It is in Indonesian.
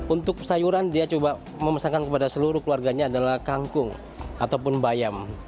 untuk sayuran dia coba memesankan kepada seluruh keluarganya adalah kangkung ataupun bayam